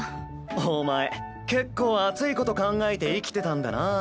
お前結構熱いこと考えて生きてたんだなぁ。